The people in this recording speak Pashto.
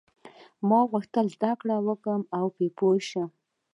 ما غوښتل تا زده کړم او په تا پوه شم.